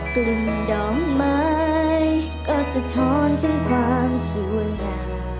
กลิ่นดอกไม้ก็สะท้อนถึงความสวยงาม